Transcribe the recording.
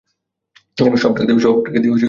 সব টাকা দিয়ে তুই করিসটা কী?